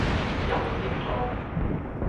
油占多